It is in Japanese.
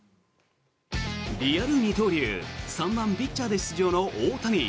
リアル二刀流３番ピッチャーで出場の大谷。